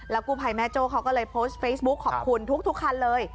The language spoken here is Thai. กู้ภัยแม่โจ้เขาก็เลยโพสต์เฟซบุ๊คขอบคุณทุกคันเลย